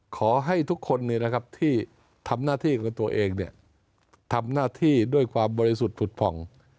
ขอให้ทุกคนที่ทำหน้าที่ของตัวเองทำหน้าที่ด้วยความบริสุทธิ์ผุดผ่อง